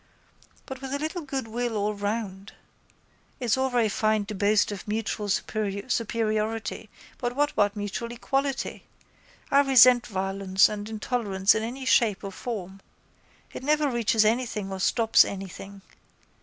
But with a little goodwill all round. It's all very fine to boast of mutual superiority but what about mutual equality. I resent violence and intolerance in any shape or form. It never reaches anything or stops anything.